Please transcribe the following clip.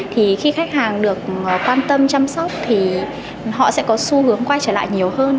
thì khi khách hàng được quan tâm chăm sóc thì họ sẽ có xu hướng quay trở lại nhiều hơn